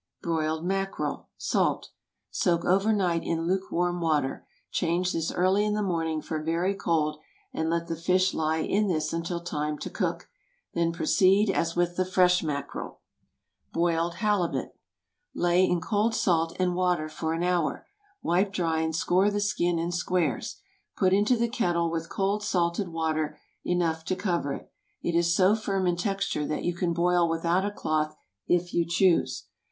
BROILED MACKEREL. (Salt.) Soak over night in lukewarm water. Change this early in the morning for very cold, and let the fish lie in this until time to cook. Then proceed as with the fresh mackerel. BOILED HALIBUT. ✠ Lay in cold salt and water for an hour. Wipe dry and score the skin in squares. Put into the kettle with cold salted water enough to cover it. It is so firm in texture that you can boil without a cloth if you choose.